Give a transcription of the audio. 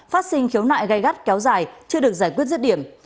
phát sinh khiếu nại gây gắt kéo dài chưa được giải quyết rứt điểm